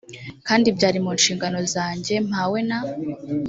kandi byari mu nshingano zanjye mpawe na